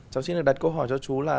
cháu xin được đặt câu hỏi cho chú là